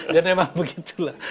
dan emang begitulah